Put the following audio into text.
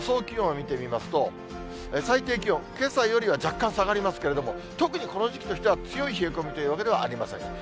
気温を見てみますと、最低気温、けさよりは若干下がりますけれども、特にこの時期としては強い冷え込みというわけではありません。